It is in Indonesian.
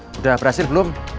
sudah berhasil belum